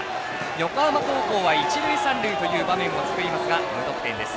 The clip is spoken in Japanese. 横浜高校は一塁三塁という場面を作りますが無得点です。